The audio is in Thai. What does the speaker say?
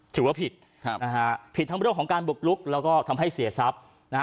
ถือว่าผิดผิดทั้งเรื่องของการบุกลุกแล้วก็ทำให้เสียทรัพย์นะฮะ